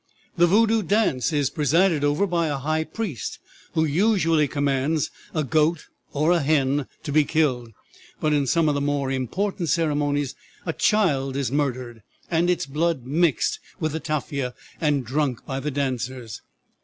"The Voodoo dance is presided over by a high priest, who usually commands a goat or a hen to be killed, but in some of the more important ceremonies a child is murdered, and its blood mixed with the tafia and drunk by the dancers.